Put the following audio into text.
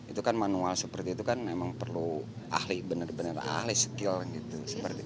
itu kan manual seperti itu kan memang perlu ahli benar benar ahli skill gitu